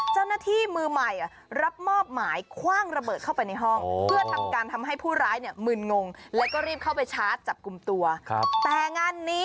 ฝึกบ่อยค่อยชิน